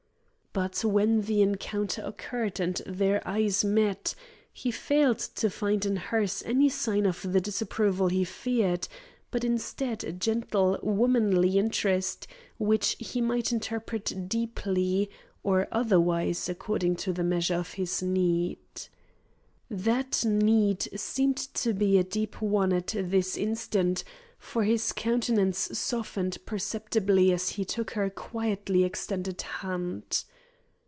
But when the encounter occurred and their eyes met, he failed to find in hers any sign of the disapproval he feared, but instead a gentle womanly interest which he might interpret deeply, or otherwise, according to the measure of his need. That need seemed to be a deep one at this instant, for his countenance softened perceptibly as he took her quietly extended hand.